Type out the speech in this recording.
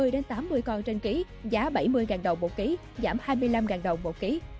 đến tám mươi con trên ký giá bảy mươi đồng một ký giảm hai mươi năm đồng một ký